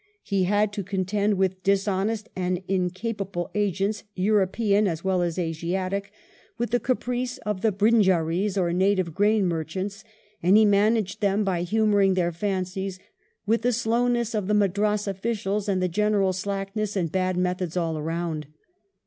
He had to contend with dishonest and incapable agents, European as well as Asiatic ; with P 34 WELLINGTON the caprice of the biinjarieSy or native grain merchants, and he managed them by humouring their fancies ; with the slowness of the Madras officials, and general slack ness and bad methods all round.